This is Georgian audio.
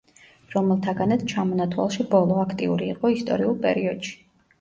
რომელთაგანაც ჩამონათვალში ბოლო, აქტიური იყო ისტორიულ პერიოდში.